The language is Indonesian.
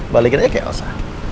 balikinnya ke elsa